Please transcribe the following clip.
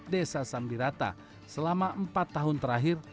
desa sambirata selama empat tahun terakhir